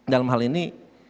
dalam hal ini